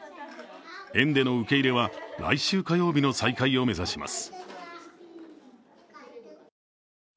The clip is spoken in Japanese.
園での受け入れは来週火曜日の再開を目指します。